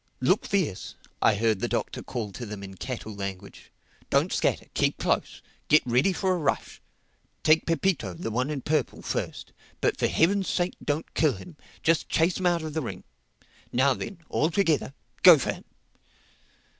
"Look fierce," I heard the Doctor call to them in cattle language. "Don't scatter. Keep close. Get ready for a rush. Take Pepito, the one in purple, first. But for Heaven's sake don't kill him. Just chase him out of the ring—Now then, all together, go for him!"